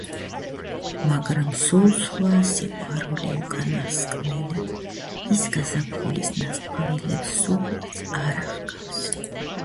Marshall later was appointed as the first black United States Supreme Court justice.